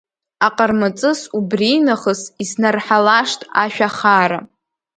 Аҟармаҵыс убринахыс, иснарҳалашт ашәа хаара.